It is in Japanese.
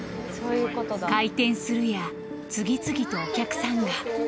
開店するや次々とお客さんが。